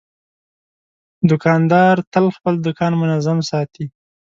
دوکاندار تل خپل دوکان منظم ساتي.